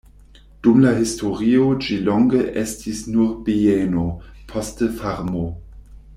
Dum la historio ĝi longe estis nur bieno, poste farmo.